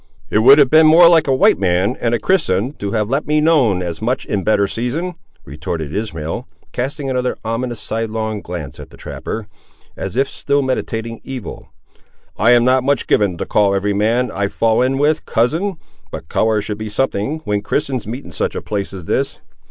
"It would have been more like a white man and a Christian, to have let me known as much in better season," retorted Ishmael, casting another ominous sidelong glance at the trapper, as if still meditating evil. "I am not much given to call every man, I fall in with, cousin, but colour should be something, when Christians meet in such a place as this.